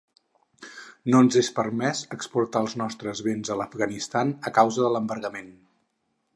No ens és permès exportar els nostres béns a l'Afganistan a causa de l'embargament.